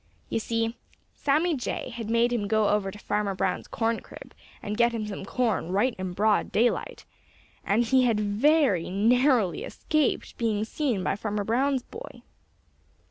You see, Sammy Jay had made him go over to Farmer Brown's corn crib and get him some corn right in broad daylight, and he had very narrowly escaped being seen by Farmer Brown's boy.